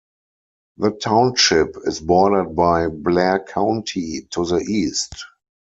The township is bordered by Blair County to the east.